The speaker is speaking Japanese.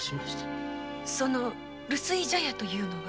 その留守居茶屋というのは？